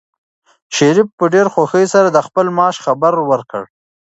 شریف په ډېرې خوښۍ سره د خپل معاش خبر ورکړ.